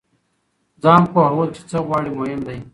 ځان پوهول چې څه غواړئ مهم دی.